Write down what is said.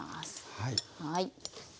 はい。